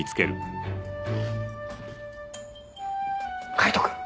カイトくん！